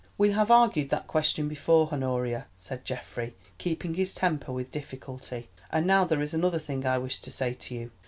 "We have argued that question before, Honoria," said Geoffrey, keeping his temper with difficulty, "and now there is another thing I wish to say to you.